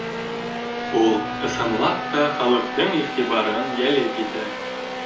Ул, ысынлап та, халыҡтың иғтибарын йәлеп итә